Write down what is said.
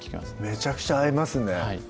めちゃくちゃ合いますねはい